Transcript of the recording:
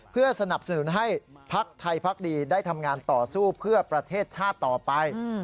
เพื่อสนับสนุนให้พักไทยพักดีได้ทำงานต่อสู้เพื่อประเทศชาติต่อไป